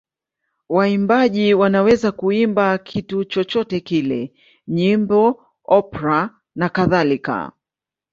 Waimbaji wanaweza kuimba kitu chochote kile: nyimbo, opera nakadhalika.